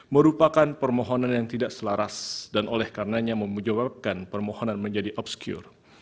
merupakan permohonan yang tidak selaras dan oleh karenanya membujawabkan permohonan menjadi obscure